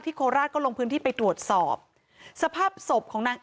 โคราชก็ลงพื้นที่ไปตรวจสอบสภาพศพของนาง